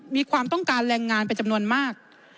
มีความต้องการแรงงานเป็นจำนวนมาก